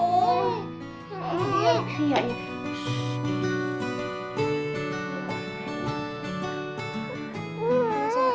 tunggu papa ya nak ya